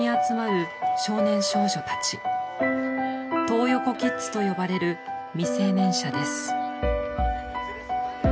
「トー横キッズ」と呼ばれる未成年者です。